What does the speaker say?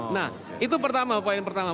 nah itu pertama poin pertama